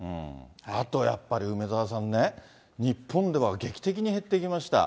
あとやっぱり梅沢さんね、日本では劇的に減ってきました。